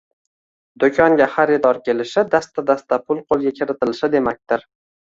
Do`konga xaridor kelishi dasta-dasta pul qo`lga kiritilishi demakdir